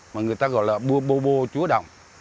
mà người ta gọi là bô bô bô chúa đồng